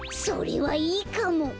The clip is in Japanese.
それはいいかも。